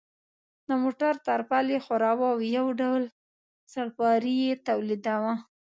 د موټر ترپال یې ښوراوه او یو ډول سړپاری یې تولیداوه.